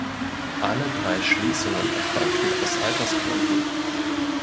Alle drei Schließungen erfolgten aus Altersgründen.